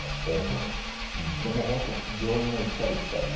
もう本当病院の行ったり来たり。